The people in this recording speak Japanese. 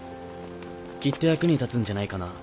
きっと役に立つんじゃないかな。